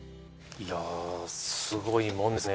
いやすごいもんですね。